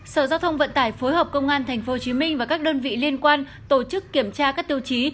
sở giao thông vận tải phối hợp công an tp hcm và các đơn vị liên quan tổ chức kiểm tra các tiêu chí